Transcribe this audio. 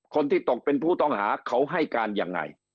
คนที่ตกเป็นผู้ต้องหาเขาให้การยังไง